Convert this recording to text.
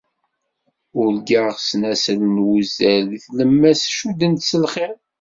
Urgaɣ ssnasel n wuzzal, deg tlemmast cuddent s lxiḍ.